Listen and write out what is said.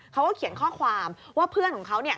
เขาก็เขียนข้อความว่าเพื่อนของเขา